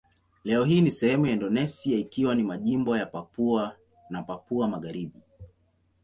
Leo hii ni sehemu ya Indonesia ikiwa ni majimbo ya Papua na Papua Magharibi.